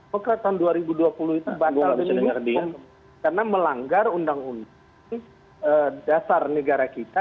pekratan dua ribu dua puluh itu batal karena melanggar undang undang dasar negara kita